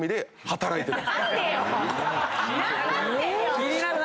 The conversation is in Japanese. ⁉気になるな。